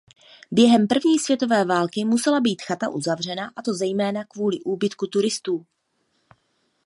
Během první světové války musela být chata uzavřena a to zejména kvůli úbytku turistů.